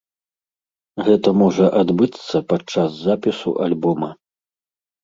Гэта можа адбыцца падчас запісу альбома.